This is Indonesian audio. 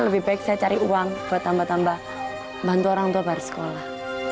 lebih baik saya cari uang buat tambah tambah bantu orang tua baru sekolah